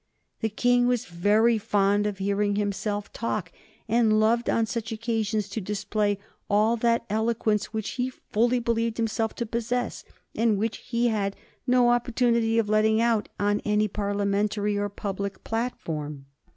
The King was very fond of hearing himself talk, and loved on such occasions to display all that eloquence which he fully believed himself to possess, and which he had no opportunity of letting out on any Parliamentary or public platform.